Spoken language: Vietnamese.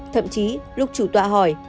thậm chí lúc chủ tọa hỏi